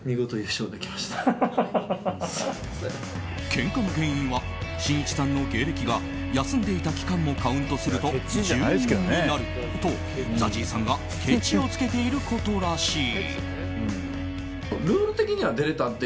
けんかの原因はしんいちさんの芸歴が休んでいた期間もカウントすると１２年になるとＺＡＺＹさんがけちをつけていることらしい。